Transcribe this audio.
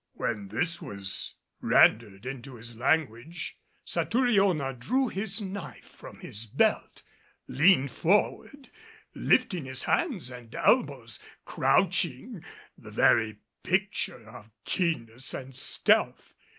When this was rendered into his language, Satouriona drew his knife from his belt, leaned forward, lifting his hands and elbows, crouching, the very picture of keenness and stealth.